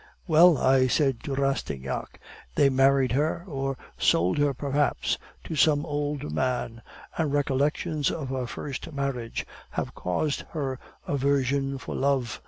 "'Well,' I said to Rastignac, 'they married her, or sold her perhaps, to some old man, and recollections of her first marriage have caused her aversion for love.